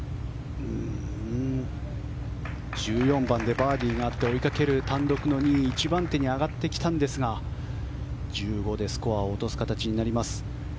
１４番でバーディーがあって追いかける単独の２位一番手に上がってきたんですが１５でスコアを落とす形になります。